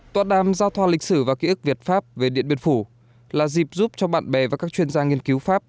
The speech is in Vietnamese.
tọa đàm giao thoa lịch sử và ký ức việt pháp về điện biên phủ là dịp giúp cho bạn bè và các chuyên gia nghiên cứu pháp